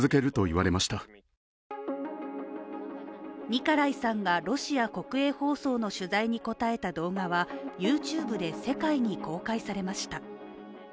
ニカライさんがロシア国営放送の取材に答えた動画はＹｏｕＴｕｂｅで世界に公開されました。